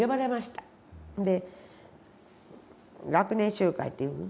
で学年集会っていう。